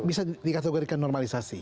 bisa dikategorikan normalisasi